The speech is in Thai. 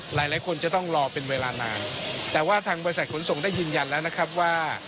หลายคนจะต้องรอเป็นเวลานานแต่ว่าทางบริษัทขนส่งได้ยืนยันแล้วนะครับว่า